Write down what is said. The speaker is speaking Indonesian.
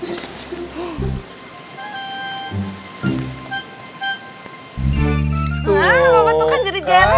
mama tuh kan jadi jelek